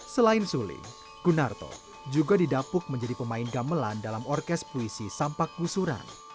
selain suling gunarto juga didapuk menjadi pemain gamelan dalam orkes puisi sampak gusuran